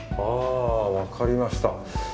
あわかりました。